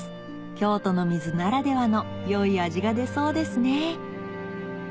京都の水ならではの良い味が出そうですね